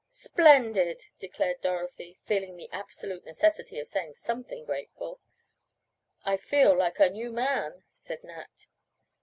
"Splendid," declared Dorothy, feeling the absolute necessity of saying something grateful. "I feel like a new man," said Nat.